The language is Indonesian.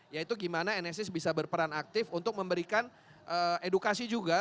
yaitu gimana nsis bisa berperan aktif untuk memberikan edukasi juga